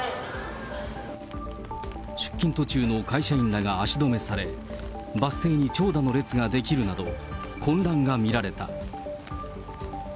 出勤途中の会社員らが足止めされ、バス停に長蛇の列が出来るなど、混乱が見られた。